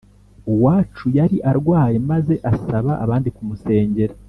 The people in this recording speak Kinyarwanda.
uwacu yari arwaye maze asaba abandi kumusengera.